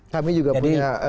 kami juga punya